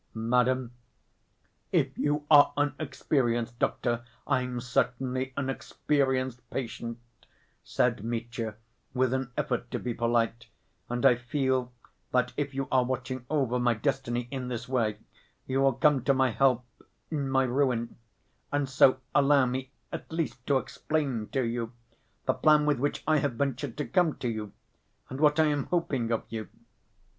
"Madam, if you are an experienced doctor, I'm certainly an experienced patient," said Mitya, with an effort to be polite, "and I feel that if you are watching over my destiny in this way, you will come to my help in my ruin, and so allow me, at least to explain to you the plan with which I have ventured to come to you ... and what I am hoping of you....